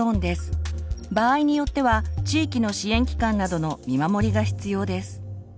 場合によっては地域の支援機関などの見守りが必要です。